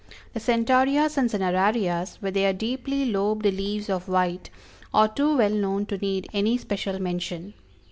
The Centaureas and Cinerarias with their deeply lobed leaves of white, are too well known to need any special mention.